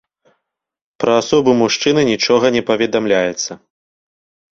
Пра асобу мужчыны нічога не паведамляецца.